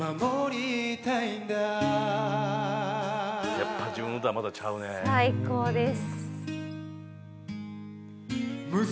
やっぱ自分の歌は、ちゃうね最高です。